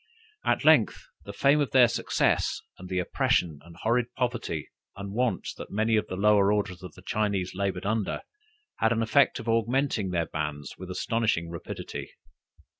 At length the fame of their success, and the oppression and horrid poverty and want that many of the lower orders of Chinese labored under, had the effect of augmenting their bands with astonishing rapidity.